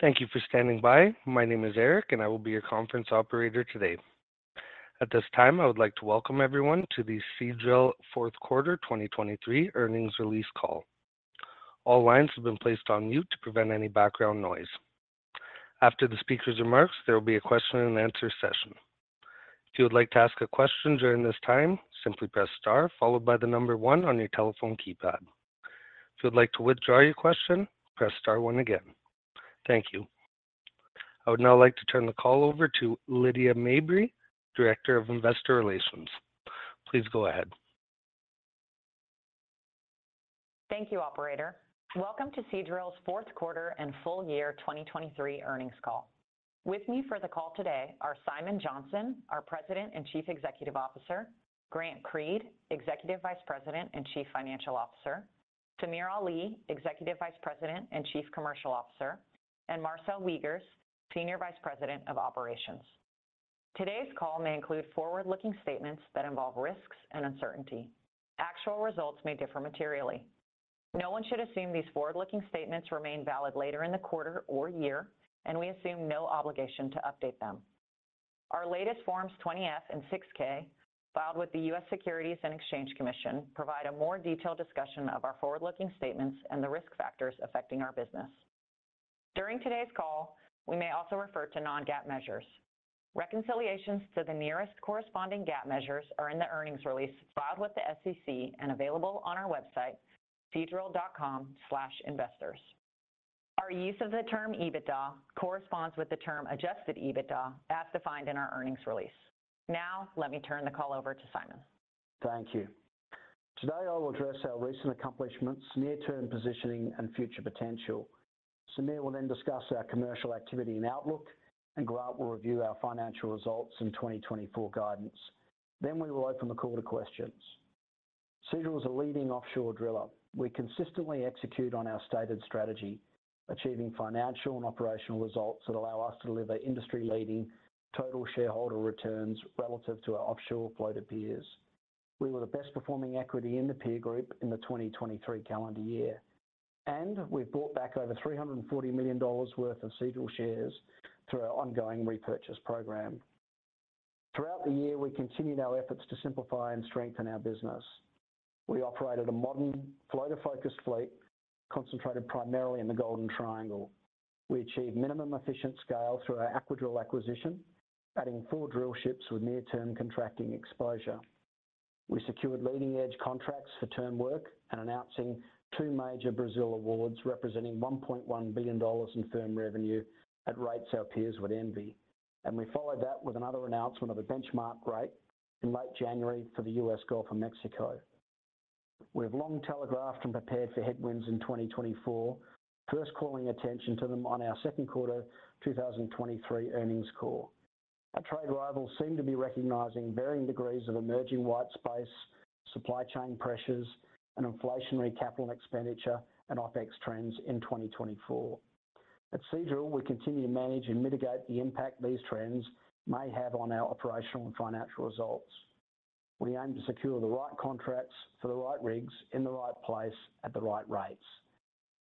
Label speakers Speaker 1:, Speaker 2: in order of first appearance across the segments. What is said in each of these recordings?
Speaker 1: Thank you for standing by. My name is Eric, and I will be your conference operator today. At this time, I would like to welcome everyone to the Seadrill fourth quarter 2023 earnings release call. All lines have been placed on mute to prevent any background noise. After the speaker's remarks, there will be a question-and-answer session. If you would like to ask a question during this time, simply press star followed by the number one on your telephone keypad. If you would like to withdraw your question, press star one again. Thank you. I would now like to turn the call over to Lydia Mabry, Director of Investor Relations. Please go ahead.
Speaker 2: Thank you, operator. Welcome to Seadrill's fourth quarter and full year 2023 earnings call. With me for the call today are Simon Johnson, our President and Chief Executive Officer, Grant Creed, Executive Vice President and Chief Financial Officer, Samir Ali, Executive Vice President and Chief Commercial Officer, and Marcel Wiegers, Senior Vice President of Operations. Today's call may include forward-looking statements that involve risks and uncertainty. Actual results may differ materially. No one should assume these forward-looking statements remain valid later in the quarter or year, and we assume no obligation to update them. Our latest Forms 20-F and 6-K, filed with the U.S. Securities and Exchange Commission, provide a more detailed discussion of our forward-looking statements and the risk factors affecting our business. During today's call, we may also refer to non-GAAP measures. Reconciliations to the nearest corresponding GAAP measures are in the earnings release filed with the SEC and available on our website, seadrill.com/investors. Our use of the term EBITDA corresponds with the term adjusted EBITDA as defined in our earnings release. Now, let me turn the call over to Simon.
Speaker 3: Thank you. Today, I will address our recent accomplishments, near-term positioning, and future potential. Samir will then discuss our commercial activity and outlook, and Grant will review our financial results and 2024 guidance. Then we will open the call to questions. Seadrill is a leading offshore driller. We consistently execute on our stated strategy, achieving financial and operational results that allow us to deliver industry-leading total shareholder returns relative to our offshore floater peers. We were the best-performing equity in the peer group in the 2023 calendar year, and we've bought back over $340 million worth of Seadrill shares through our ongoing repurchase program. Throughout the year, we continued our efforts to simplify and strengthen our business. We operated a modern floater-focused fleet concentrated primarily in the Golden Triangle. We achieved minimum efficient scale through our Aquadrill acquisition, adding four drill ships with near-term contracting exposure. We secured leading-edge contracts for term work and announcing two major Brazil awards representing $1.1 billion in firm revenue at rates our peers would envy, and we followed that with another announcement of a benchmark rate in late January for the U.S. Gulf of Mexico. We have long telegraphed and prepared for headwinds in 2024, first calling attention to them on our second quarter 2023 earnings call. Our trade rivals seem to be recognizing varying degrees of emerging white space, supply chain pressures, and inflationary capital and expenditure and OPEX trends in 2024. At Seadrill, we continue to manage and mitigate the impact these trends may have on our operational and financial results. We aim to secure the right contracts for the right rigs in the right place at the right rates.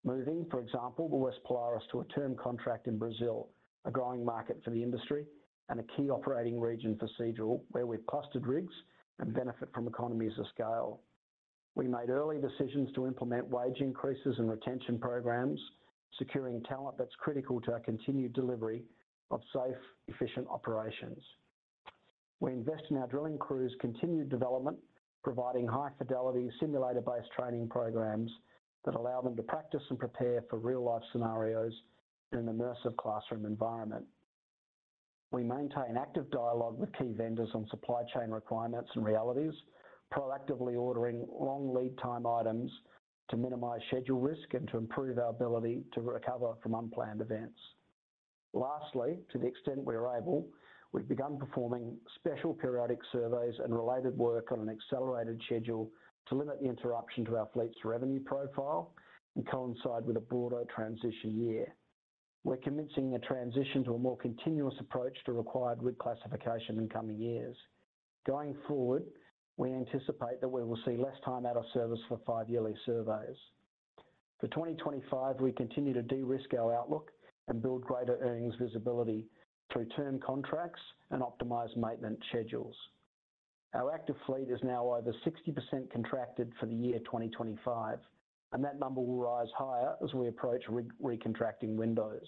Speaker 3: Moving, for example, the West Polaris to a term contract in Brazil, a growing market for the industry, and a key operating region for Seadrill where we've clustered rigs and benefit from economies of scale. We made early decisions to implement wage increases and retention programs, securing talent that's critical to our continued delivery of safe, efficient operations. We invest in our drilling crews' continued development, providing high-fidelity simulator-based training programs that allow them to practice and prepare for real-life scenarios in an immersive classroom environment. We maintain active dialogue with key vendors on supply chain requirements and realities, proactively ordering long lead-time items to minimize schedule risk and to improve our ability to recover from unplanned events. Lastly, to the extent we are able, we've begun performing special periodic surveys and related work on an accelerated schedule to limit the interruption to our fleet's revenue profile and coincide with a broader transition year. We're commencing a transition to a more continuous approach to required rig classification in coming years. Going forward, we anticipate that we will see less time out of service for five-yearly surveys. For 2025, we continue to de-risk our outlook and build greater earnings visibility through term contracts and optimized maintenance schedules. Our active fleet is now over 60% contracted for the year 2025, and that number will rise higher as we approach recontracting windows.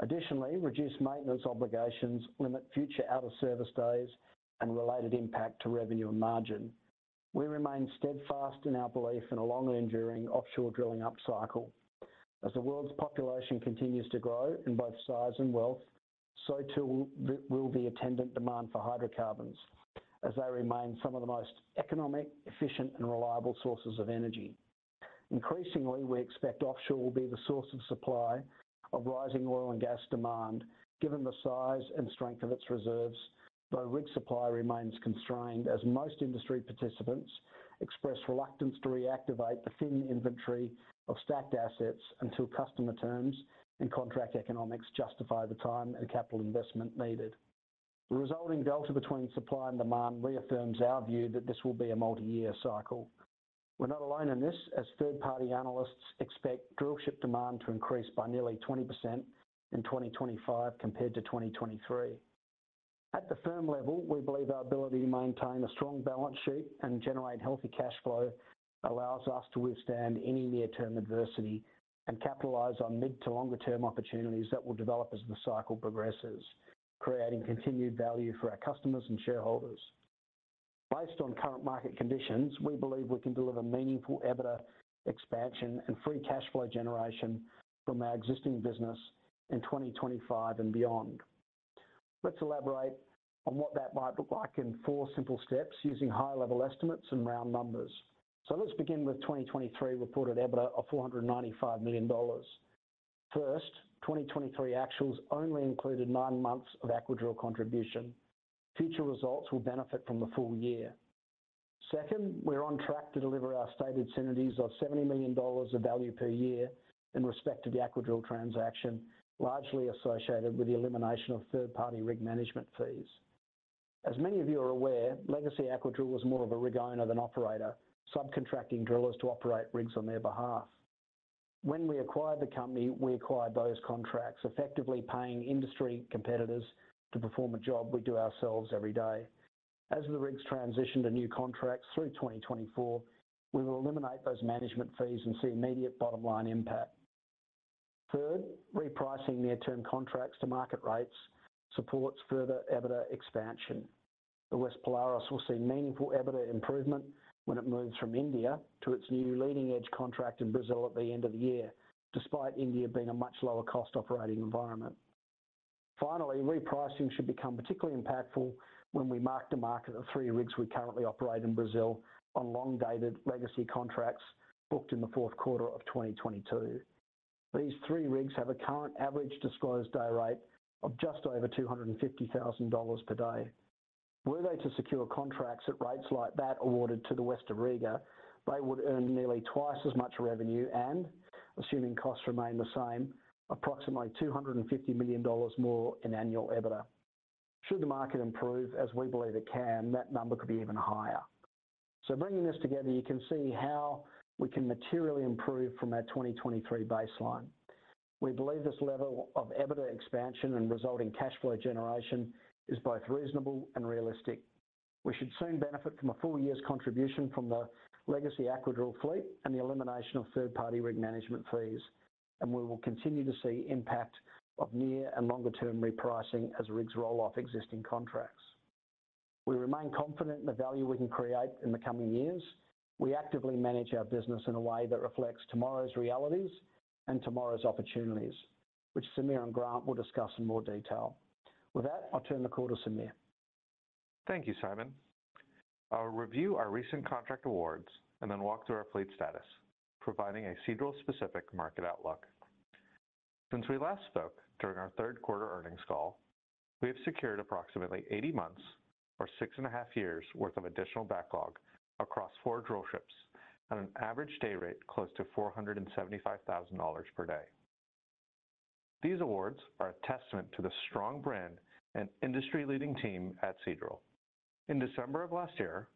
Speaker 3: Additionally, reduced maintenance obligations limit future out-of-service days and related impact to revenue and margin. We remain steadfast in our belief in a longer-enduring offshore drilling upcycle. As the world's population continues to grow in both size and wealth, so too will the attendant demand for hydrocarbons as they remain some of the most economic, efficient, and reliable sources of energy. Increasingly, we expect offshore will be the source of supply of rising oil and gas demand given the size and strength of its reserves, though rig supply remains constrained as most industry participants express reluctance to reactivate the thin inventory of stacked assets until customer terms and contract economics justify the time and capital investment needed. The resulting delta between supply and demand reaffirms our view that this will be a multi-year cycle. We're not alone in this as third-party analysts expect drillship demand to increase by nearly 20% in 2025 compared to 2023. At the firm level, we believe our ability to maintain a strong balance sheet and generate healthy cash flow allows us to withstand any near-term adversity and capitalize on mid- to longer-term opportunities that will develop as the cycle progresses, creating continued value for our customers and shareholders. Based on current market conditions, we believe we can deliver meaningful EBITDA expansion and free cash flow generation from our existing business in 2025 and beyond. Let's elaborate on what that might look like in four simple steps using high-level estimates and round numbers. So let's begin with 2023 reported EBITDA of $495 million. First, 2023 actuals only included nine months of Aquadrill contribution. Future results will benefit from the full year. Second, we're on track to deliver our stated synergies of $70 million of value per year in respect to the Aquadrill transaction, largely associated with the elimination of third-party rig management fees. As many of you are aware, Legacy Aquadrill was more of a rig owner than operator, subcontracting drillers to operate rigs on their behalf. When we acquired the company, we acquired those contracts, effectively paying industry competitors to perform a job we do ourselves every day. As the rigs transition to new contracts through 2024, we will eliminate those management fees and see immediate bottom-line impact. Third, repricing near-term contracts to market rates supports further EBITDA expansion. The West Polaris will see meaningful EBITDA improvement when it moves from India to its new leading-edge contract in Brazil at the end of the year, despite India being a much lower-cost operating environment. Finally, repricing should become particularly impactful when we mark-to-market three rigs we currently operate in Brazil on long-dated legacy contracts booked in the fourth quarter of 2022. These three rigs have a current average disclosed day rate of just over $250,000 per day. Were they to secure contracts at rates like that awarded to the West Auriga, they would earn nearly twice as much revenue and, assuming costs remain the same, approximately $250 million more in annual EBITDA. Should the market improve, as we believe it can, that number could be even higher. So bringing this together, you can see how we can materially improve from our 2023 baseline. We believe this level of EBITDA expansion and resulting cash flow generation is both reasonable and realistic. We should soon benefit from a full year's contribution from the Legacy Aquadrill fleet and the elimination of third-party rig management fees, and we will continue to see impact of near and longer-term repricing as rigs roll off existing contracts. We remain confident in the value we can create in the coming years. We actively manage our business in a way that reflects tomorrow's realities and tomorrow's opportunities, which Samir and Grant will discuss in more detail. With that, I'll turn the call to Samir.
Speaker 4: Thank you, Simon. I'll review our recent contract awards and then walk through our fleet status, providing a Seadrill-specific market outlook. Since we last spoke during our third quarter earnings call, we have secured approximately 80 months, or six and a half years' worth of additional backlog across four drillships at an average day rate close to $475,000 per day. These awards are a testament to the strong brand and industry-leading team at Seadrill. In December of last year,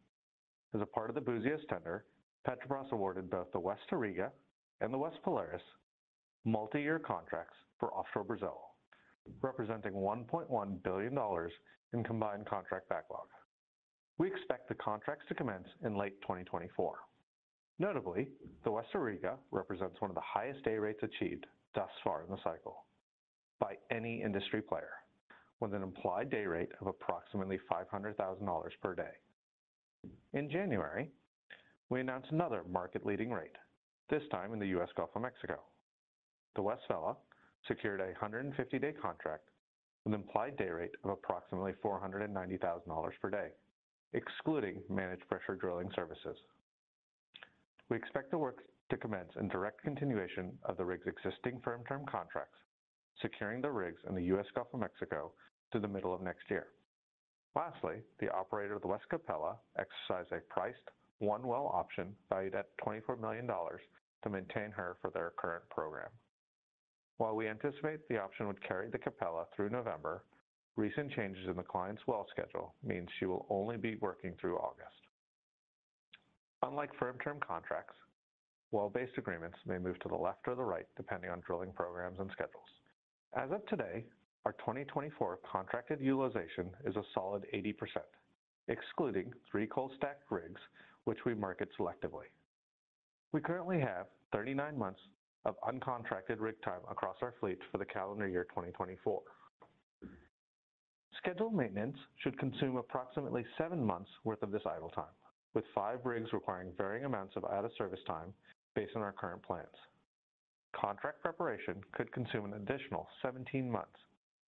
Speaker 4: as a part of the busiest tender, Petrobras awarded both the West Auriga and the West Polaris multi-year contracts for offshore Brazil, representing $1.1 billion in combined contract backlog. We expect the contracts to commence in late 2024. Notably, the West Auriga represents one of the highest day rates achieved thus far in the cycle by any industry player, with an implied day rate of approximately $500,000 per day. In January, we announced another market-leading rate, this time in the U.S. Gulf of Mexico. The West Vela secured a 150-day contract with an implied day rate of approximately $490,000 per day, excluding managed pressure drilling services. We expect the work to commence in direct continuation of the rig's existing firm-term contracts, securing the rigs in the U.S. Gulf of Mexico through the middle of next year. Lastly, the operator of the West Capella exercised a priced one well option valued at $24 million to maintain her for their current program. While we anticipate the option would carry the Capella through November, recent changes in the client's well schedule mean she will only be working through August. Unlike firm-term contracts, well-based agreements may move to the left or the right depending on drilling programs and schedules. As of today, our 2024 contracted utilization is a solid 80%, excluding 3 cold-stacked rigs, which we market selectively. We currently have 39 months of uncontracted rig time across our fleet for the calendar year 2024. Scheduled maintenance should consume approximately 7 months' worth of this idle time, with 5 rigs requiring varying amounts of out-of-service time based on our current plans. Contract preparation could consume an additional 17 months,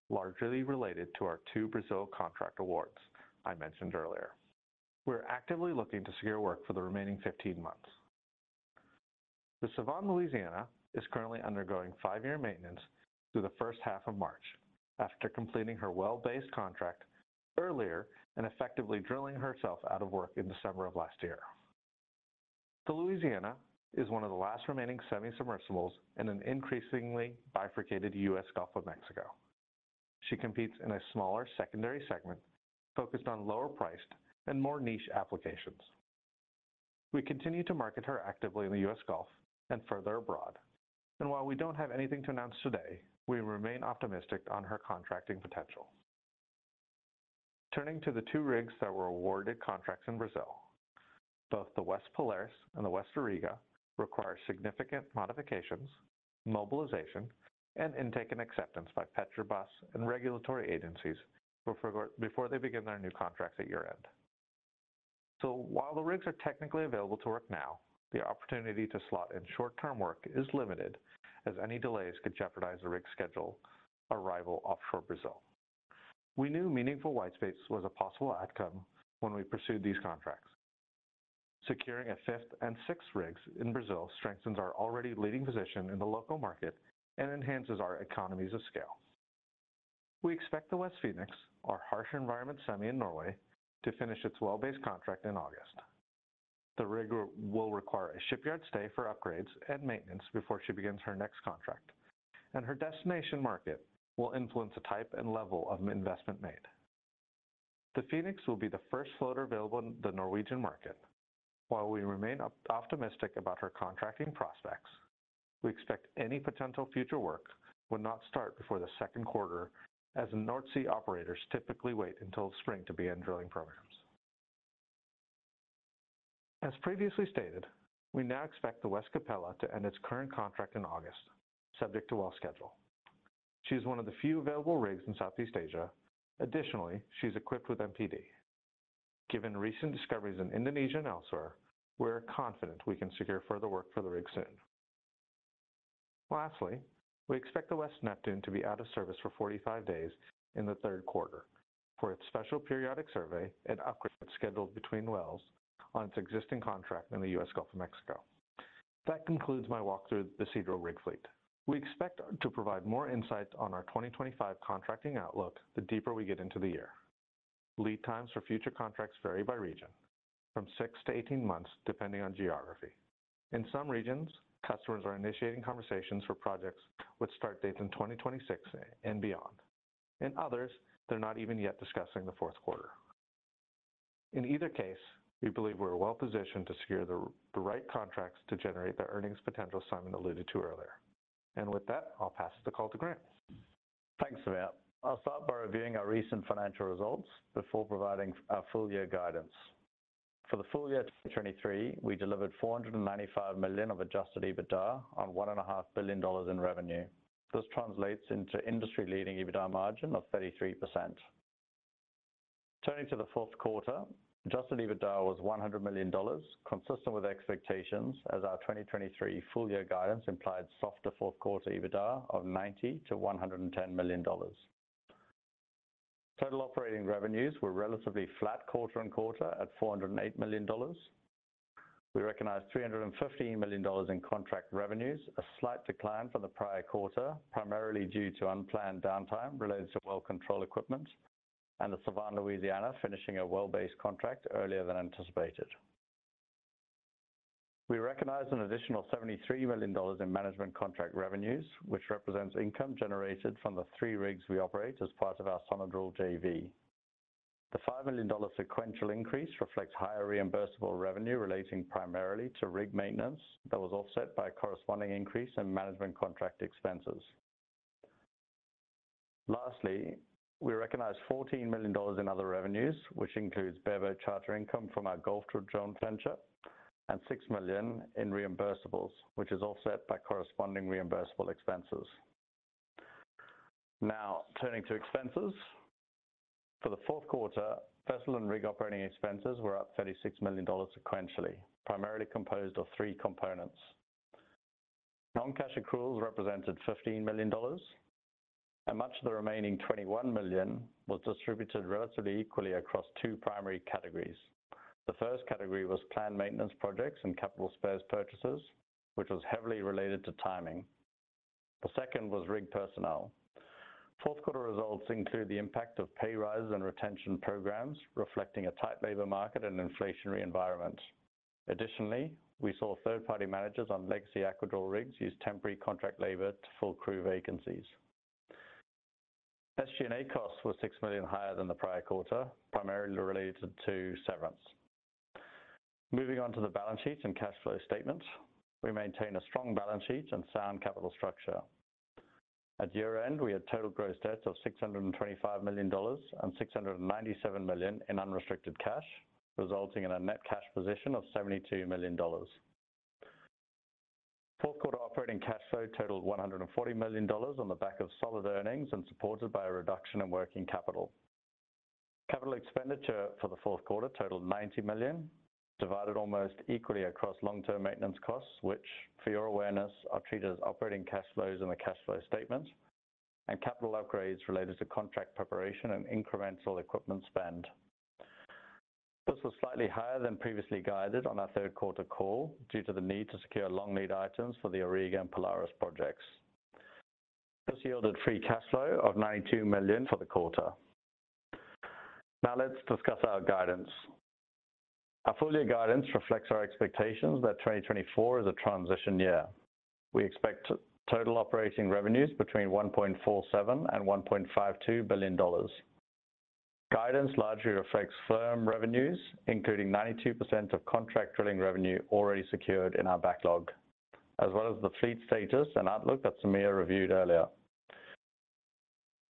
Speaker 4: largely related to our 2 Brazil contract awards I mentioned earlier. We're actively looking to secure work for the remaining 15 months. The Sevan Louisiana is currently undergoing five-year maintenance through the first half of March after completing her well-based contract earlier and effectively drilling herself out of work in December of last year. The Louisiana is one of the last remaining semi-submersibles in an increasingly bifurcated U.S. Gulf of Mexico. She competes in a smaller secondary segment focused on lower-priced and more niche applications. We continue to market her actively in the U.S. Gulf and further abroad, and while we don't have anything to announce today, we remain optimistic on her contracting potential. Turning to the two rigs that were awarded contracts in Brazil, both the West Polaris and the West Auriga require significant modifications, mobilization, and intake and acceptance by Petrobras and regulatory agencies before they begin their new contracts at year-end. So while the rigs are technically available to work now, the opportunity to slot in short-term work is limited, as any delays could jeopardize the rig schedule arrival offshore Brazil. We knew meaningful white space was a possible outcome when we pursued these contracts. Securing a fifth and sixth rigs in Brazil strengthens our already leading position in the local market and enhances our economies of scale. We expect the West Phoenix, our harsh environment semi in Norway, to finish its well-based contract in August. The rig will require a shipyard stay for upgrades and maintenance before she begins her next contract, and her destination market will influence the type and level of investment made. The Phoenix will be the first floater available in the Norwegian market. While we remain optimistic about her contracting prospects, we expect any potential future work would not start before the second quarter, as North Sea operators typically wait until spring to begin drilling programs. As previously stated, we now expect the West Capella to end its current contract in August, subject to well schedule. She's one of the few available rigs in Southeast Asia. Additionally, she's equipped with MPD. Given recent discoveries in Indonesia and elsewhere, we're confident we can secure further work for the rig soon. Lastly, we expect the West Neptune to be out of service for 45 days in the third quarter for its special periodic survey and upgrade scheduled between wells on its existing contract in the U.S. Gulf of Mexico. That concludes my walkthrough of the Seadrill rig fleet. We expect to provide more insight on our 2025 contracting outlook the deeper we get into the year. Lead times for future contracts vary by region, from 6-18 months depending on geography. In some regions, customers are initiating conversations for projects with start dates in 2026 and beyond. In others, they're not even yet discussing the fourth quarter. In either case, we believe we're well positioned to secure the right contracts to generate the earnings potential Simon alluded to earlier. With that, I'll pass the call to Grant.
Speaker 5: Thanks, Samir. I'll start by reviewing our recent financial results before providing our full-year guidance. For the full year 2023, we delivered $495 million of Adjusted EBITDA on $1.5 billion in revenue. This translates into industry-leading EBITDA margin of 33%. Turning to the fourth quarter, Adjusted EBITDA was $100 million, consistent with expectations as our 2023 full-year guidance implied softer fourth quarter EBITDA of $90-$110 million. Total operating revenues were relatively flat quarter-over-quarter at $408 million. We recognize $315 million in contract revenues, a slight decline from the prior quarter primarily due to unplanned downtime related to well control equipment and the Sevan Louisiana finishing a well-based contract earlier than anticipated. We recognize an additional $73 million in management contract revenues, which represents income generated from the three rigs we operate as part of our Sonadrill JV. The $5 million sequential increase reflects higher reimbursable revenue relating primarily to rig maintenance that was offset by a corresponding increase in management contract expenses. Lastly, we recognize $14 million in other revenues, which includes bareboat charter income from our Gulfdrill joint venture and $6 million in reimbursables, which is offset by corresponding reimbursable expenses. Now, turning to expenses. For the fourth quarter, vessel and rig operating expenses were up $36 million sequentially, primarily composed of three components. Non-cash accruals represented $15 million, and much of the remaining $21 million was distributed relatively equally across two primary categories. The first category was planned maintenance projects and capital spares purchases, which was heavily related to timing. The second was rig personnel. Fourth quarter results include the impact of pay rises and retention programs reflecting a tight labor market and inflationary environment. Additionally, we saw third-party managers on Legacy Aquadrill rigs use temporary contract labor to fill crew vacancies. SG&A costs were $6 million higher than the prior quarter, primarily related to severance. Moving on to the balance sheet and cash flow statements, we maintain a strong balance sheet and sound capital structure. At year-end, we had total gross debt of $625 million and $697 million in unrestricted cash, resulting in a net cash position of $72 million. Fourth quarter operating cash flow totaled $140 million on the back of solid earnings and supported by a reduction in working capital. Capital expenditure for the fourth quarter totaled $90 million, divided almost equally across long-term maintenance costs, which, for your awareness, are treated as operating cash flows in the cash flow statement, and capital upgrades related to contract preparation and incremental equipment spend. This was slightly higher than previously guided on our third quarter call due to the need to secure long lead items for the Auriga and Polaris projects. This yielded free cash flow of $92 million for the quarter. Now let's discuss our guidance. Our full-year guidance reflects our expectations that 2024 is a transition year. We expect total operating revenues between $1.47 and $1.52 billion. Guidance largely reflects firm revenues, including 92% of contract drilling revenue already secured in our backlog, as well as the fleet status and outlook that Samir reviewed earlier.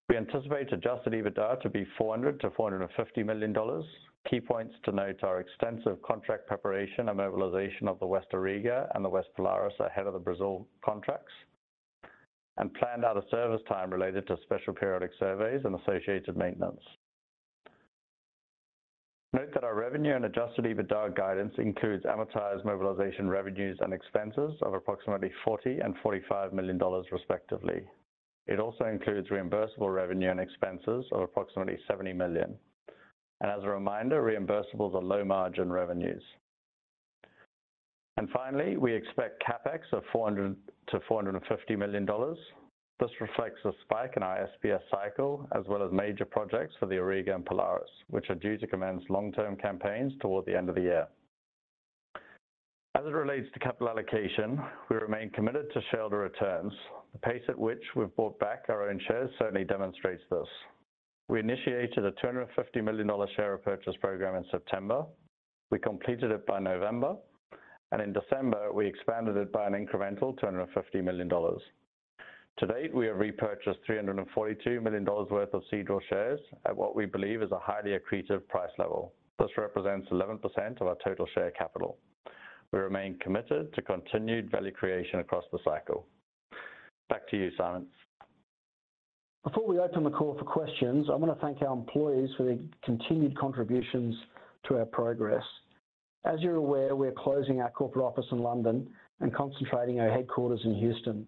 Speaker 5: We anticipate Adjusted EBITDA to be $400-$450 million, key points to note are extensive contract preparation and mobilization of the West Auriga and the West Polaris ahead of the Brazil contracts, and planned out-of-service time related to special periodic surveys and associated maintenance. Note that our revenue and Adjusted EBITDA guidance includes amortized mobilisation revenues and expenses of approximately $40 million and $45 million, respectively. It also includes reimbursable revenue and expenses of approximately $70 million. And as a reminder, reimbursables are low-margin revenues. And finally, we expect CapEx of $400-$450 million. This reflects a spike in our SBS cycle as well as major projects for the Auriga and Polaris, which are due to commence long-term campaigns toward the end of the year. As it relates to capital allocation, we remain committed to shared returns. The pace at which we've bought back our own shares certainly demonstrates this. We initiated a $250 million share repurchase program in September. We completed it by November. And in December, we expanded it by an incremental $250 million. To date, we have repurchased $342 million worth of Seadrill shares at what we believe is a highly accretive price level. This represents 11% of our total share capital. We remain committed to continued value creation across the cycle. Back to you, Simon.
Speaker 3: Before we open the call for questions, I want to thank our employees for their continued contributions to our progress. As you're aware, we're closing our corporate office in London and concentrating our headquarters in Houston,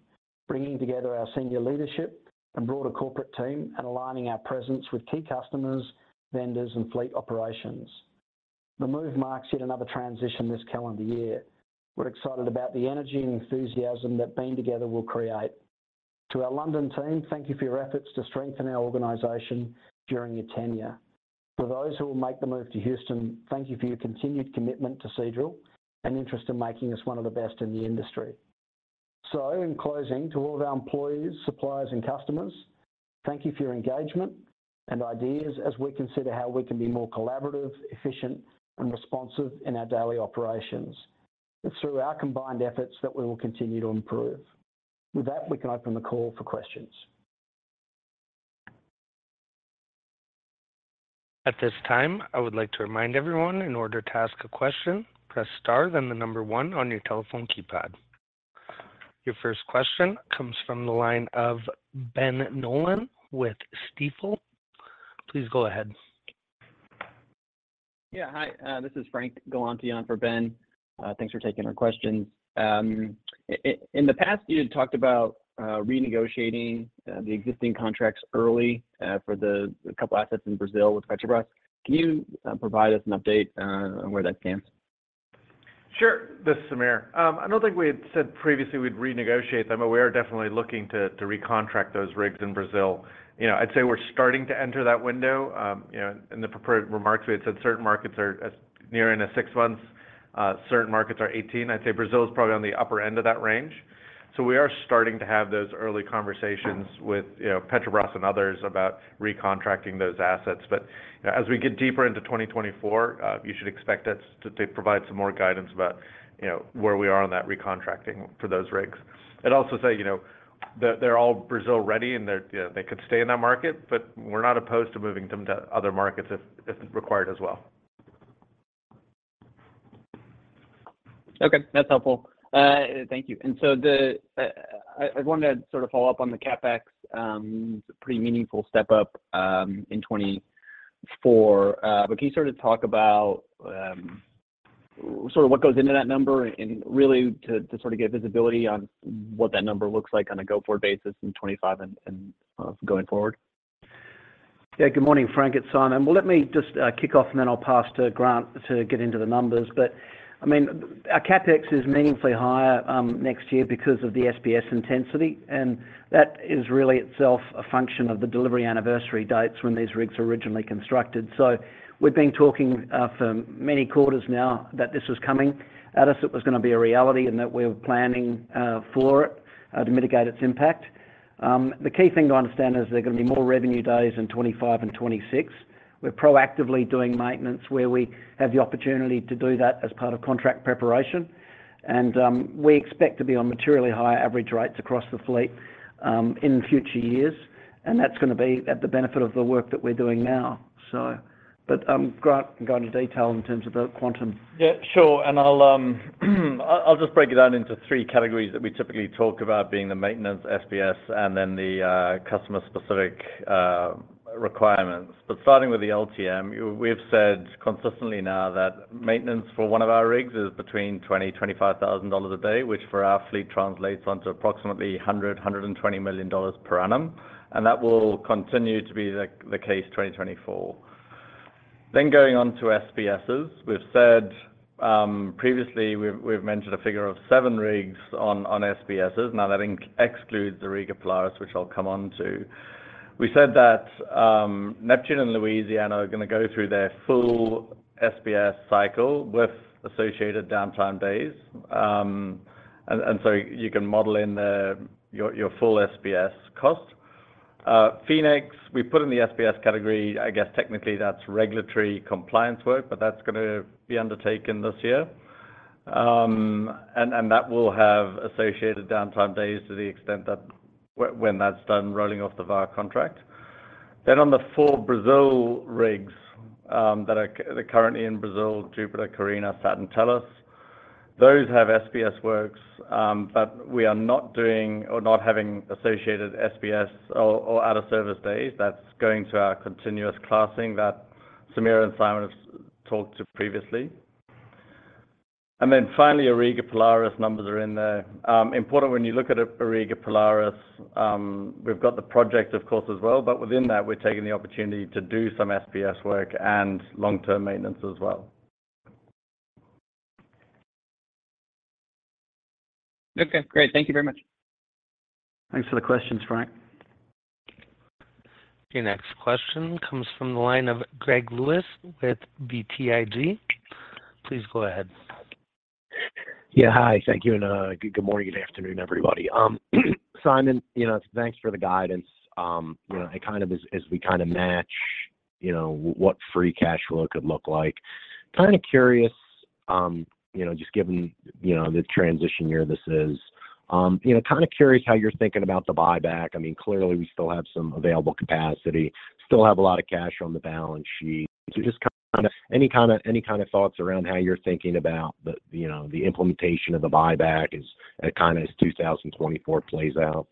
Speaker 3: bringing together our senior leadership and broader corporate team and aligning our presence with key customers, vendors, and fleet operations. The move marks yet another transition this calendar year. We're excited about the energy and enthusiasm that being together will create. To our London team, thank you for your efforts to strengthen our organization during your tenure. For those who will make the move to Houston, thank you for your continued commitment to Seadrill and interest in making us one of the best in the industry. In closing, to all of our employees, suppliers, and customers, thank you for your engagement and ideas as we consider how we can be more collaborative, efficient, and responsive in our daily operations. It's through our combined efforts that we will continue to improve. With that, we can open the call for questions.
Speaker 1: At this time, I would like to remind everyone, in order to ask a question, press star, then the number one on your telephone keypad. Your first question comes from the line of Ben Nolan with Stifel. Please go ahead.
Speaker 6: Yeah, hi. This is Frank Galanti for Ben. Thanks for taking our questions. In the past, you had talked about renegotiating the existing contracts early for the couple of assets in Brazil with Petrobras. Can you provide us an update on where that stands?
Speaker 4: Sure. This is Samir. I don't think we had said previously we'd renegotiate. I mean, we are definitely looking to recontract those rigs in Brazil. I'd say we're starting to enter that window. In the prepared remarks, we had said certain markets are nearing 6 months, certain markets are 18. I'd say Brazil is probably on the upper end of that range. So we are starting to have those early conversations with Petrobras and others about recontracting those assets. But as we get deeper into 2024, you should expect us to provide some more guidance about where we are on that recontracting for those rigs. I'd also say they're all Brazil-ready, and they could stay in that market, but we're not opposed to moving them to other markets if required as well.
Speaker 6: Okay. That's helpful. Thank you. So I want to sort of follow up on the CapEx. It's a pretty meaningful step up in 2024. But can you sort of talk about sort of what goes into that number and really to sort of get visibility on what that number looks like on a go-forward basis in 2025 and going forward?
Speaker 3: Yeah. Good morning, Frank. It's Simon. Well, let me just kick off, and then I'll pass to Grant to get into the numbers. But I mean, our CapEx is meaningfully higher next year because of the SBS intensity. And that is really itself a function of the delivery anniversary dates when these rigs were originally constructed. So we've been talking for many quarters now that this was coming at us, it was going to be a reality, and that we were planning for it to mitigate its impact. The key thing to understand is there are going to be more revenue days in 2025 and 2026. We're proactively doing maintenance where we have the opportunity to do that as part of contract preparation. And we expect to be on materially higher average rates across the fleet in future years. That's going to be at the benefit of the work that we're doing now. But Grant, go into detail in terms of the quantum.
Speaker 5: Yeah. Sure. And I'll just break it down into three categories that we typically talk about being the maintenance, SBS, and then the customer-specific requirements. But starting with the LTM, we've said consistently now that maintenance for one of our rigs is between $20,000-$25,000 a day, which for our fleet translates onto approximately $100,000-$120,000 per annum. And that will continue to be the case 2024. Then going on to SBSs, we've said previously we've mentioned a figure of seven rigs on SBSs. Now, that excludes the Auriga and Polaris, which I'll come on to. We said that Neptune and Louisiana are going to go through their full SBS cycle with associated downtime days. And so you can model in your full SBS cost. Phoenix, we put in the SBS category. I guess technically, that's regulatory compliance work, but that's going to be undertaken this year. And that will have associated downtime days to the extent that when that's done rolling off the VAR contract. Then on the four Brazil rigs that are currently in Brazil, Jupiter, Carina, Saturn, Tellus, those have SBS works, but we are not doing or not having associated SBS or out-of-service days. That's going to our continuous classing that Samir and Simon have talked to previously. And then finally, Auriga and Polaris numbers are in there. Important when you look at Auriga and Polaris, we've got the project, of course, as well. But within that, we're taking the opportunity to do some SBS work and long-term maintenance as well.
Speaker 6: Okay. Great. Thank you very much.
Speaker 3: Thanks for the questions, Frank.
Speaker 1: Your next question comes from the line of Greg Lewis with BTIG. Please go ahead.
Speaker 7: Yeah. Hi. Thank you. Good morning, good afternoon, everybody. Simon, thanks for the guidance. It kind of is as we kind of match what free cash flow could look like. Kind of curious, just given the transition year this is, kind of curious how you're thinking about the buyback. I mean, clearly, we still have some available capacity, still have a lot of cash on the balance sheet. So just kind of any kind of thoughts around how you're thinking about the implementation of the buyback as kind of as 2024 plays out?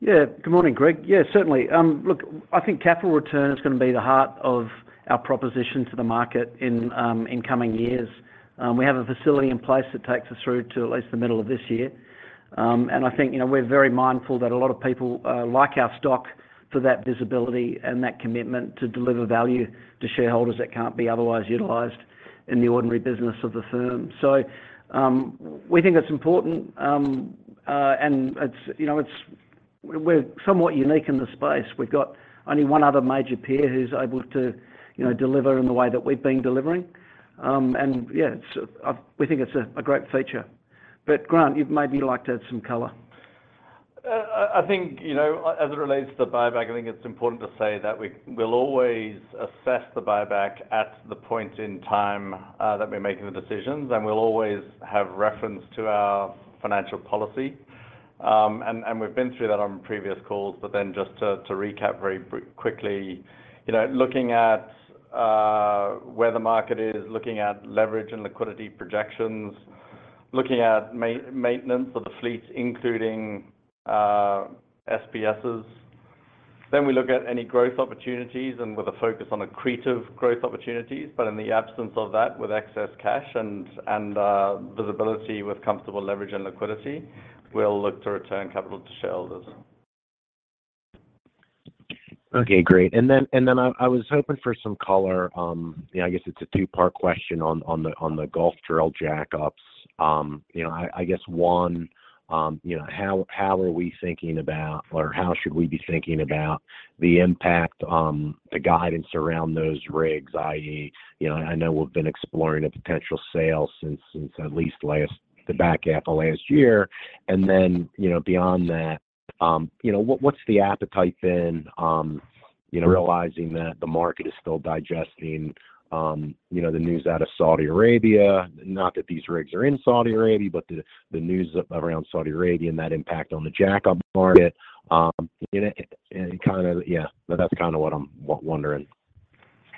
Speaker 3: Yeah. Good morning, Greg. Yeah, certainly. Look, I think capital return is going to be the heart of our proposition to the market in coming years. We have a facility in place that takes us through to at least the middle of this year. I think we're very mindful that a lot of people like our stock for that visibility and that commitment to deliver value to shareholders that can't be otherwise utilized in the ordinary business of the firm. So we think it's important. We're somewhat unique in the space. We've got only one other major peer who's able to deliver in the way that we've been delivering. Yeah, we think it's a great feature. But Grant, you'd maybe like to add some color.
Speaker 5: I think as it relates to the buyback, I think it's important to say that we'll always assess the buyback at the point in time that we're making the decisions. We'll always have reference to our financial policy. We've been through that on previous calls. Then just to recap very quickly, looking at where the market is, looking at leverage and liquidity projections, looking at maintenance of the fleets, including SBSs. We look at any growth opportunities and with a focus on accretive growth opportunities. In the absence of that, with excess cash and visibility with comfortable leverage and liquidity, we'll look to return capital to shareholders.
Speaker 7: Okay. Great. And then I was hoping for some color. I guess it's a two-part question on the Gulfdrill jackups. I guess one, how are we thinking about or how should we be thinking about the impact, the guidance around those rigs, i.e., I know we've been exploring a potential sale since at least the back half of last year. And then beyond that, what's the appetite then, realizing that the market is still digesting the news out of Saudi Arabia? Not that these rigs are in Saudi Arabia, but the news around Saudi Arabia and that impact on the jackup market. And kind of, yeah, that's kind of what I'm wondering.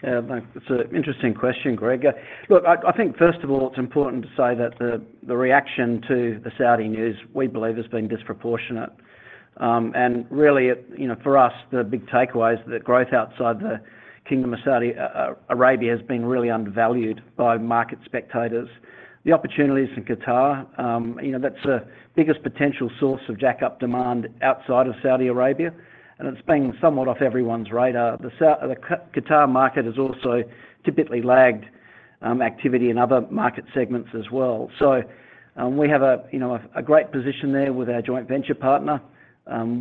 Speaker 3: Yeah. That's an interesting question, Greg. Look, I think, first of all, it's important to say that the reaction to the Saudi news, we believe, has been disproportionate. Really, for us, the big takeaway is that growth outside the Kingdom of Saudi Arabia has been really undervalued by market spectators. The opportunities in Qatar, that's the biggest potential source of jackup demand outside of Saudi Arabia. It's been somewhat off everyone's radar. The Qatar market has also typically lagged activity in other market segments as well. We have a great position there with our joint venture partner.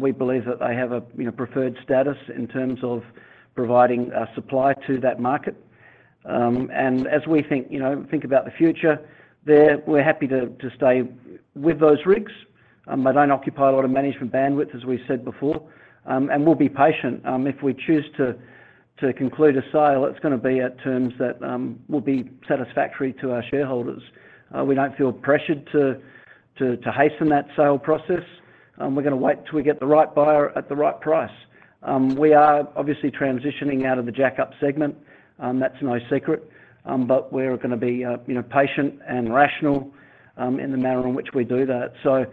Speaker 3: We believe that they have a preferred status in terms of providing supply to that market. As we think about the future there, we're happy to stay with those rigs. They don't occupy a lot of management bandwidth, as we said before. We'll be patient. If we choose to conclude a sale, it's going to be at terms that will be satisfactory to our shareholders. We don't feel pressured to hasten that sale process. We're going to wait till we get the right buyer at the right price. We are obviously transitioning out of the jackup segment. That's no secret. But we're going to be patient and rational in the manner in which we do that. So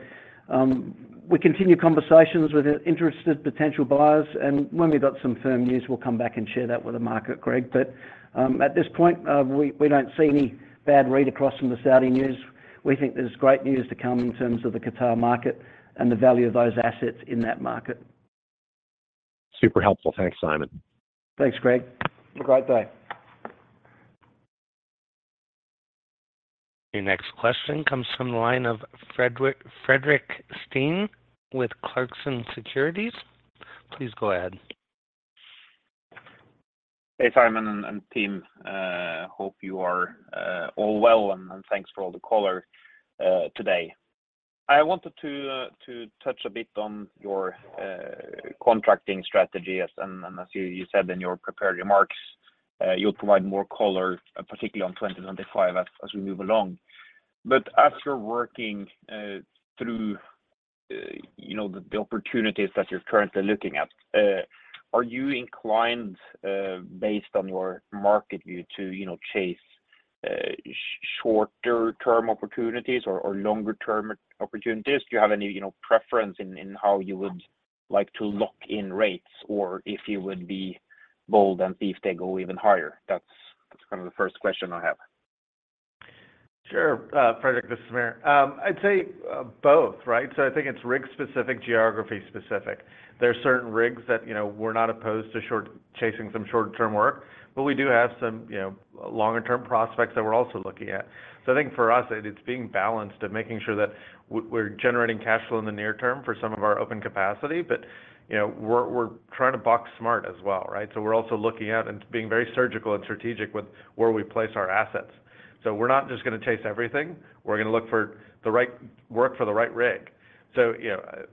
Speaker 3: we continue conversations with interested potential buyers. And when we've got some firm news, we'll come back and share that with the market, Greg. But at this point, we don't see any bad read across from the Saudi news. We think there's great news to come in terms of the Qatar market and the value of those assets in that market.
Speaker 7: Super helpful. Thanks, Simon.
Speaker 3: Thanks, Greg. Have a great day.
Speaker 1: Your next question comes from the line of Fredrik Stene with Clarksons Securities. Please go ahead.
Speaker 8: Hey, Simon and team, hope you are all well. Thanks for all the color today. I wanted to touch a bit on your contracting strategy. As you said in your prepared remarks, you'll provide more color, particularly on 2025 as we move along. But as you're working through the opportunities that you're currently looking at, are you inclined, based on your market view, to chase shorter-term opportunities or longer-term opportunities? Do you have any preference in how you would like to lock in rates or if you would be bold and see if they go even higher? That's kind of the first question I have.
Speaker 4: Sure, Frederick. This is Samir. I'd say both, right? So I think it's rig-specific, geography-specific. There are certain rigs that we're not opposed to chasing some short-term work. But we do have some longer-term prospects that we're also looking at. So I think for us, it's being balanced of making sure that we're generating cash flow in the near term for some of our open capacity. But we're trying to bid smart as well, right? So we're also looking at and being very surgical and strategic with where we place our assets. So we're not just going to chase everything. We're going to look for the right work for the right rig. So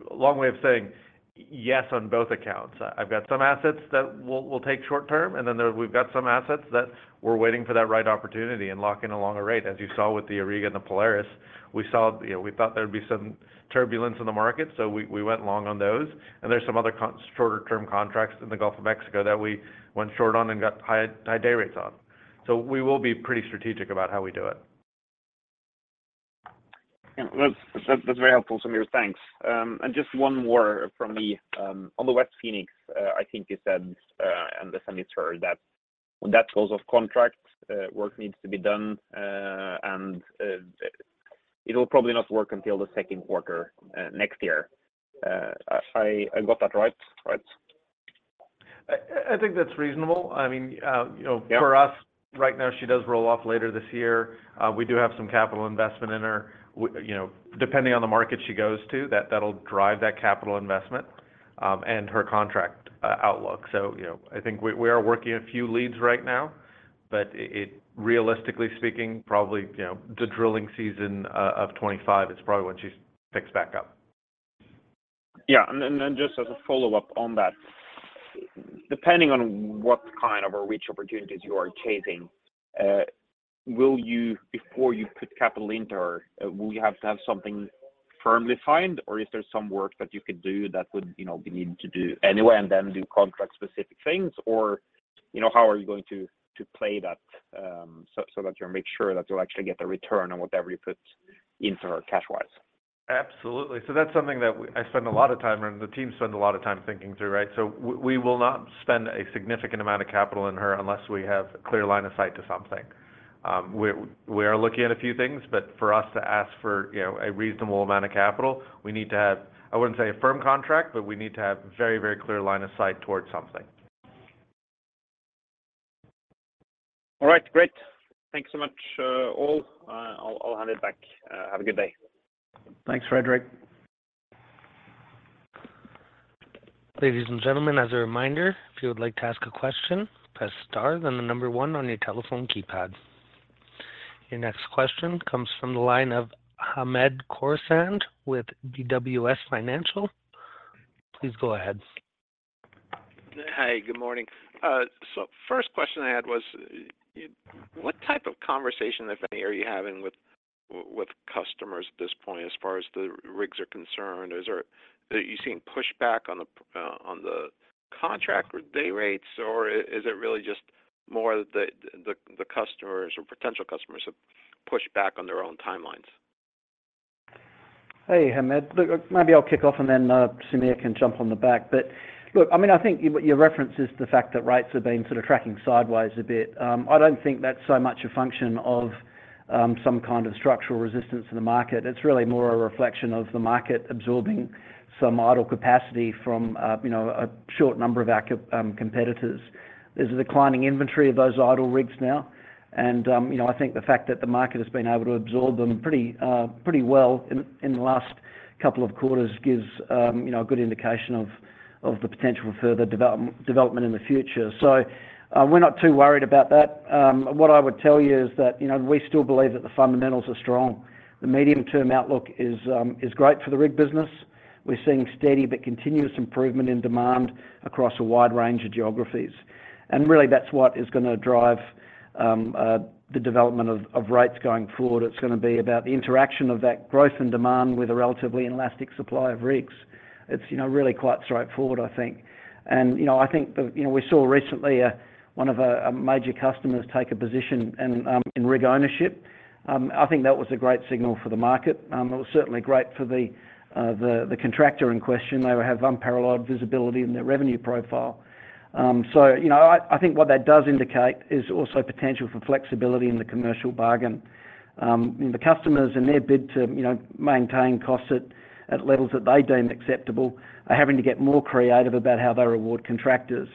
Speaker 4: long way of saying, yes, on both counts. I've got some assets that we'll take short-term. And then we've got some assets that we're waiting for that right opportunity and locking in a long rate. As you saw with the Auriga and the Polaris, we thought there'd be some turbulence in the market. So we went long on those. And there's some other shorter-term contracts in the Gulf of Mexico that we went short on and got high day rates on. So we will be pretty strategic about how we do it.
Speaker 8: That's very helpful, Samir. Thanks. And just one more from me. On the West Phoenix, I think you said and the SBS that when that goes off contract, work needs to be done. And it'll probably not work until the second quarter next year. I got that right, right?
Speaker 4: I think that's reasonable. I mean, for us, right now, she does roll off later this year. We do have some capital investment in her. Depending on the market she goes to, that'll drive that capital investment and her contract outlook. So I think we are working a few leads right now. But realistically speaking, probably the drilling season of 2025 is probably when she picks back up.
Speaker 8: Yeah. And then just as a follow-up on that, depending on what kind of or which opportunities you are chasing, before you put capital into her, will you have to have something firmly signed? Or is there some work that you could do that would be needed to do anyway and then do contract-specific things? Or how are you going to play that so that you make sure that you'll actually get a return on whatever you put into her cash-wise?
Speaker 4: Absolutely. So that's something that I spend a lot of time and the team spend a lot of time thinking through, right? So we will not spend a significant amount of capital here unless we have a clear line of sight to something. We are looking at a few things. But for us to ask for a reasonable amount of capital, we need to have, I wouldn't say a firm contract, but we need to have very, very clear line of sight towards something.
Speaker 8: All right. Great. Thanks so much, all. I'll hand it back. Have a good day.
Speaker 3: Thanks, Frederick.
Speaker 1: Ladies and gentlemen, as a reminder, if you would like to ask a question, press star, then the number one on your telephone keypad. Your next question comes from the line of Hamed Khorsand with BWS Financial. Please go ahead.
Speaker 9: Hi. Good morning. So first question I had was, what type of conversation, if any, are you having with customers at this point as far as the rigs are concerned? Are you seeing pushback on the contract or day rates? Or is it really just more that the customers or potential customers have pushed back on their own timelines?
Speaker 3: Hey, Hamed. Look, maybe I'll kick off and then Samir can jump on the back. But look, I mean, I think what you referenced is the fact that rates have been sort of tracking sideways a bit. I don't think that's so much a function of some kind of structural resistance in the market. It's really more a reflection of the market absorbing some idle capacity from a short number of competitors. There's a declining inventory of those idle rigs now. And I think the fact that the market has been able to absorb them pretty well in the last couple of quarters gives a good indication of the potential for further development in the future. So we're not too worried about that. What I would tell you is that we still believe that the fundamentals are strong. The medium-term outlook is great for the rig business. We're seeing steady but continuous improvement in demand across a wide range of geographies. Really, that's what is going to drive the development of rates going forward. It's going to be about the interaction of that growth and demand with a relatively elastic supply of rigs. It's really quite straightforward, I think. I think we saw recently one of our major customers take a position in rig ownership. I think that was a great signal for the market. It was certainly great for the contractor in question. They have unparalleled visibility in their revenue profile. I think what that does indicate is also potential for flexibility in the commercial bargain. The customers in their bid to maintain costs at levels that they deem acceptable are having to get more creative about how they reward contractors.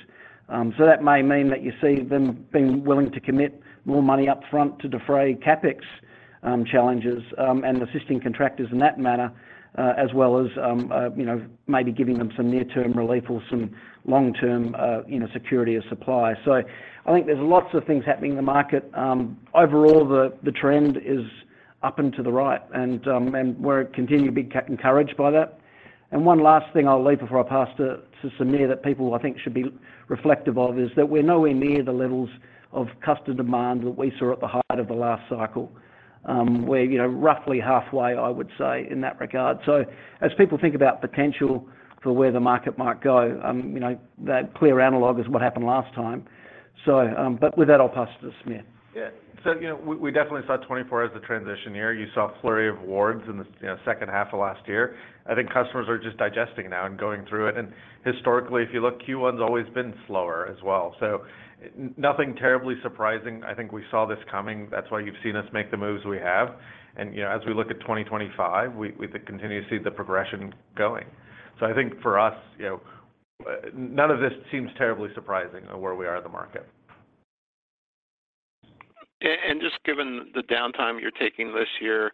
Speaker 3: So that may mean that you see them being willing to commit more money upfront to defray CapEx challenges and assisting contractors in that manner, as well as maybe giving them some near-term relief or some long-term security of supply. So I think there's lots of things happening in the market. Overall, the trend is up and to the right. And we're continually encouraged by that. And one last thing I'll leave before I pass to Samir that people, I think, should be reflective of is that we're nowhere near the levels of customer demand that we saw at the height of the last cycle. We're roughly halfway, I would say, in that regard. So as people think about potential for where the market might go, that clear analogue is what happened last time. But with that, I'll pass to Samir.
Speaker 4: Yeah. So we definitely saw 2024 as a transition year. You saw a flurry of awards in the second half of last year. I think customers are just digesting now and going through it. And historically, if you look, Q1's always been slower as well. So nothing terribly surprising. I think we saw this coming. That's why you've seen us make the moves we have. And as we look at 2025, we continue to see the progression going. So I think for us, none of this seems terribly surprising of where we are in the market.
Speaker 9: Just given the downtime you're taking this year,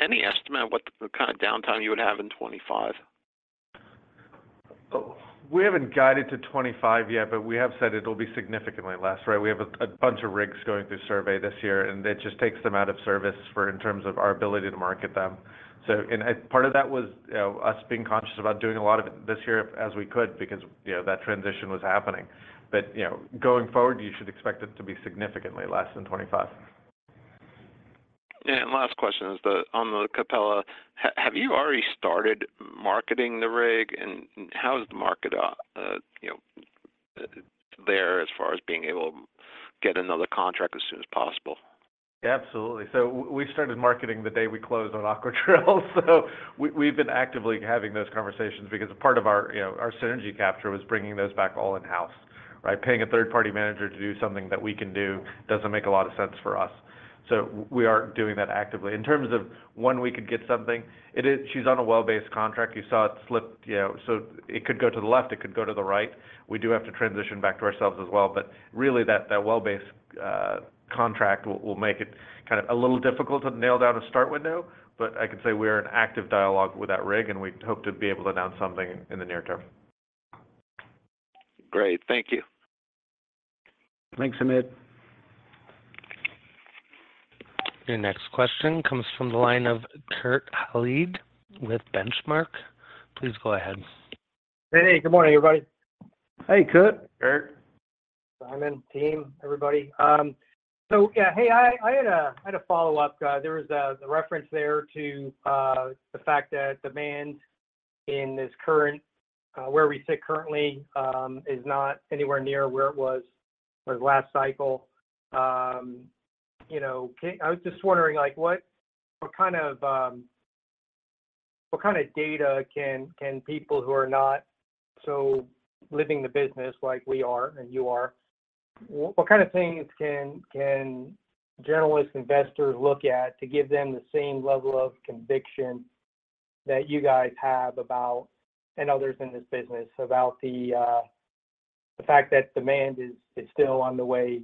Speaker 9: any estimate of what kind of downtime you would have in 2025?
Speaker 4: We haven't guided to 2025 yet. But we have said it'll be significantly less, right? We have a bunch of rigs going through survey this year. And it just takes them out of service in terms of our ability to market them. And part of that was us being conscious about doing a lot of it this year as we could because that transition was happening. But going forward, you should expect it to be significantly less than 2025.
Speaker 9: Yeah. And last question is on the Capella. Have you already started marketing the rig? And how is the market there as far as being able to get another contract as soon as possible?
Speaker 4: Absolutely. So we started marketing the day we closed on Aquadrill. So we've been actively having those conversations because part of our synergy capture was bringing those back all in-house, right? Paying a third-party manager to do something that we can do doesn't make a lot of sense for us. So we are doing that actively. In terms of when we could get something, she's on a well-based contract. You saw it slip. So it could go to the left. It could go to the right. We do have to transition back to ourselves as well. But really, that well-based contract will make it kind of a little difficult to nail down a start window. But I can say we're in active dialogue with that rig. And we hope to be able to announce something in the near term.
Speaker 10: Great. Thank you.
Speaker 3: Thanks, Hamed.
Speaker 1: Your next question comes from the line of Kurt Hallead with Benchmark. Please go ahead.
Speaker 11: Hey, hey. Good morning, everybody.
Speaker 3: Hey, Kurt.
Speaker 4: Kurt.
Speaker 11: Simon, team, everybody. So yeah, hey, I had a follow-up. There was a reference there to the fact that demand in this current where we sit currently is not anywhere near where it was last cycle. I was just wondering, what kind of data can people who are not so living the business like we are and you are, what kind of things can generalist investors look at to give them the same level of conviction that you guys have about and others in this business about the fact that demand is still on the way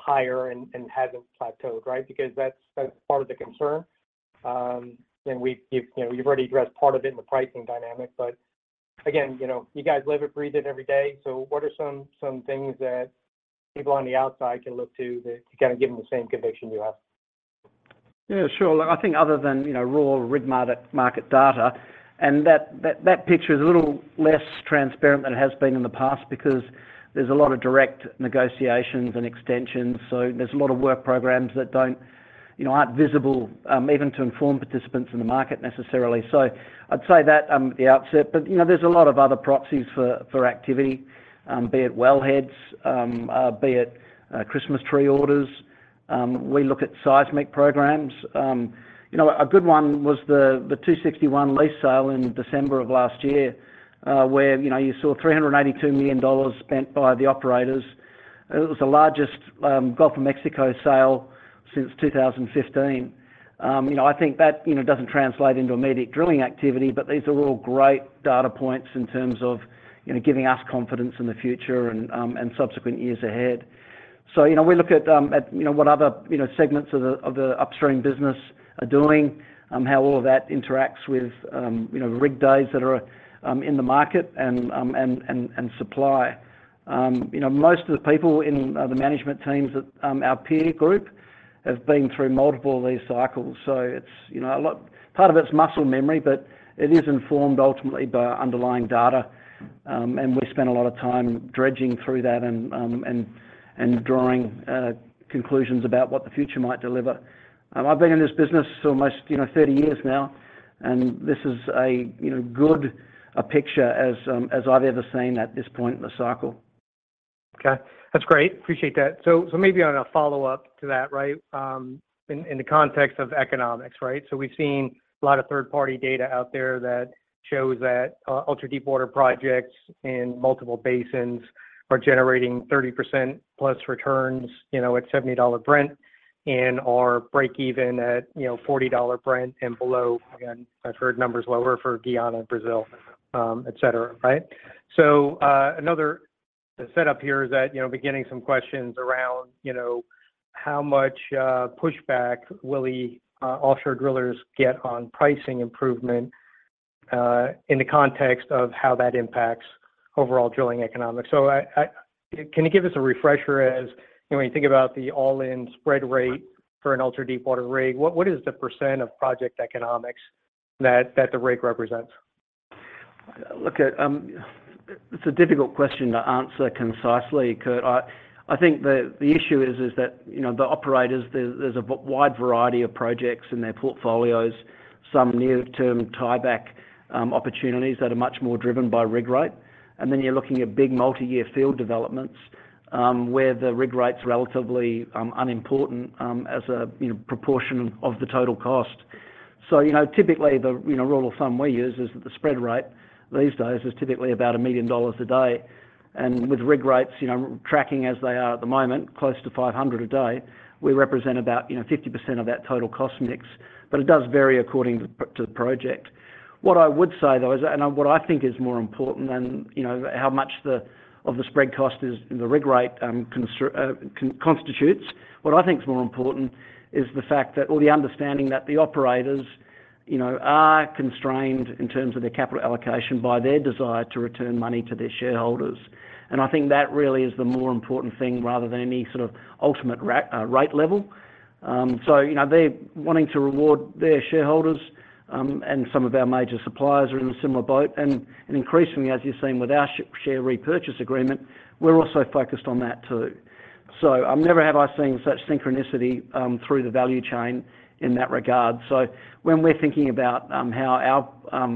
Speaker 11: higher and hasn't plateaued, right? Because that's part of the concern. And you've already addressed part of it in the pricing dynamic. But again, you guys live it, breathe it every day. So what are some things that people on the outside can look to to kind of give them the same conviction you have?
Speaker 3: Yeah, sure. I think other than raw rig market data. That picture is a little less transparent than it has been in the past because there's a lot of direct negotiations and extensions. There's a lot of work programs that aren't visible even to inform participants in the market necessarily. I'd say that at the outset. But there's a lot of other proxies for activity, be it wellheads, be it Christmas tree orders. We look at seismic programs. A good one was the Lease Sale 261 in December of last year where you saw $382 million spent by the operators. It was the largest Gulf of Mexico sale since 2015. I think that doesn't translate into immediate drilling activity. But these are all great data points in terms of giving us confidence in the future and subsequent years ahead. So we look at what other segments of the upstream business are doing, how all of that interacts with rig days that are in the market and supply. Most of the people in the management teams at our peer group have been through multiple of these cycles. So part of it's muscle memory. But it is informed ultimately by underlying data. And we spend a lot of time dredging through that and drawing conclusions about what the future might deliver. I've been in this business almost 30 years now. And this is a good picture as I've ever seen at this point in the cycle.
Speaker 11: Okay. That's great. Appreciate that. So maybe on a follow-up to that, right, in the context of economics, right? So we've seen a lot of third-party data out there that shows that ultra-deep-water projects in multiple basins are generating 30%+ returns at $70 Brent and are break-even at $40 Brent and below. Again, I've heard numbers lower for Guyana and Brazil, etc., right? So another setup here is that beginning some questions around how much pushback will the offshore drillers get on pricing improvement in the context of how that impacts overall drilling economics? So can you give us a refresher as when you think about the all-in spread rate for an ultra-deep-water rig, what is the % of project economics that the rig represents?
Speaker 3: Look, it's a difficult question to answer concisely, Kurt. I think the issue is that the operators, there's a wide variety of projects in their portfolios, some near-term tieback opportunities that are much more driven by rig rate. And then you're looking at big multi-year field developments where the rig rate's relatively unimportant as a proportion of the total cost. So typically, the rule of thumb we use is that the spread rate these days is typically about $1 million a day. And with rig rates tracking as they are at the moment, close to $500 a day, we represent about 50% of that total cost mix. But it does vary according to the project. What I would say, though, and what I think is more important than how much of the spread cost in the rig rate constitutes, what I think's more important is the fact or the understanding that the operators are constrained in terms of their capital allocation by their desire to return money to their shareholders. And I think that really is the more important thing rather than any sort of ultimate rate level. So they're wanting to reward their shareholders. And some of our major suppliers are in a similar boat. And increasingly, as you've seen with our share repurchase agreement, we're also focused on that too. So I've never seen such synchronicity through the value chain in that regard. So when we're thinking about how our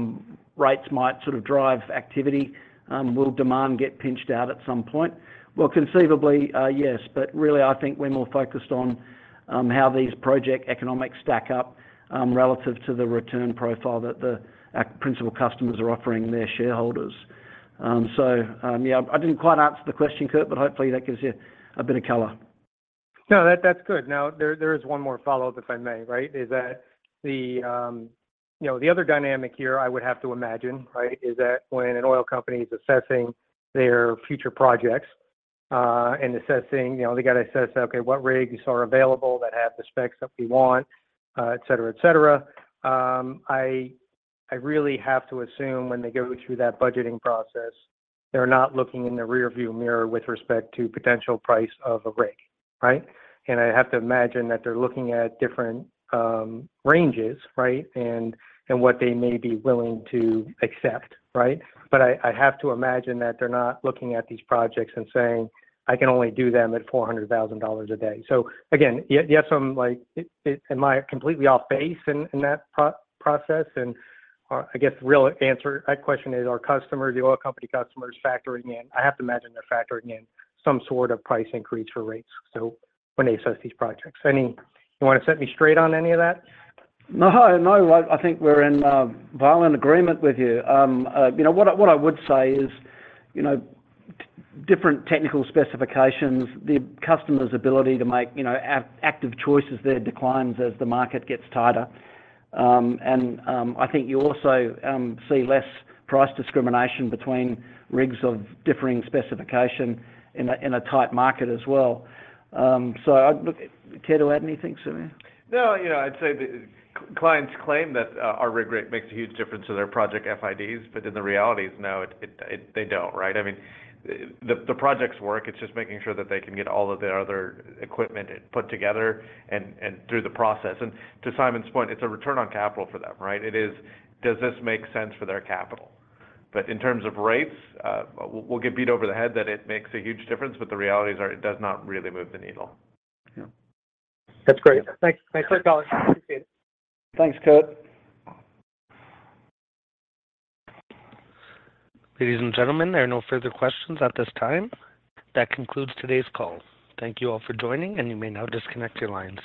Speaker 3: rates might sort of drive activity, will demand get pinched out at some point? Well, conceivably, yes. But really, I think we're more focused on how these project economics stack up relative to the return profile that our principal customers are offering their shareholders. So yeah, I didn't quite answer the question, Kurt. But hopefully, that gives you a bit of color.
Speaker 11: No, that's good. Now, there is one more follow-up, if I may, right? Is that the other dynamic here I would have to imagine, right, is that when an oil company is assessing their future projects and assessing, they got to assess, "Okay, what rigs are available that have the specs that we want," etc., etc.? I really have to assume when they go through that budgeting process, they're not looking in the rearview mirror with respect to potential price of a rig, right? And I have to imagine that they're looking at different ranges, right, and what they may be willing to accept, right? But I have to imagine that they're not looking at these projects and saying, "I can only do them at $400,000 a day." So again, you have some am I completely off base in that process? I guess the real answer to that question is, are the oil company customers factoring in? I have to imagine they're factoring in some sort of price increase for rates when they assess these projects. You want to set me straight on any of that?
Speaker 3: No, I think we're in violent agreement with you. What I would say is different technical specifications, the customer's ability to make active choices there declines as the market gets tighter. And I think you also see less price discrimination between rigs of differing specification in a tight market as well. So I'd look at. Care to add anything, Samir?
Speaker 4: No, I'd say clients claim that our rig rate makes a huge difference to their project FIDs. But in the reality, no, they don't, right? I mean, the projects work. It's just making sure that they can get all of their other equipment put together and through the process. And to Simon's point, it's a return on capital for them, right? It is, does this make sense for their capital? But in terms of rates, we'll get beat over the head that it makes a huge difference. But the realities are, it does not really move the needle.
Speaker 3: Yeah.
Speaker 11: That's great. Thanks, Kurt, Colin. I appreciate it.
Speaker 3: Thanks, Kurt.
Speaker 1: Ladies and gentlemen, there are no further questions at this time. That concludes today's call. Thank you all for joining. You may now disconnect your lines.